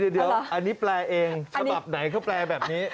เดี๋ยวอันนี้แปลเองฉบับไหนเขาแปลแบบนี้